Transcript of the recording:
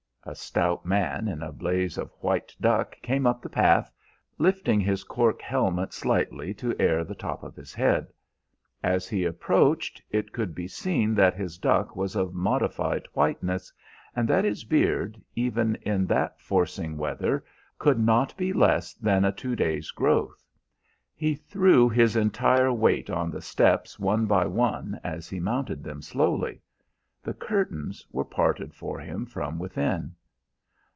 A stout man in a blaze of white duck came up the path, lifting his cork helmet slightly to air the top of his head. As he approached it could be seen that his duck was of a modified whiteness, and that his beard, even in that forcing weather, could not be less than a two days' growth. He threw his entire weight on the steps one by one, as he mounted them slowly. The curtains were parted for him from within.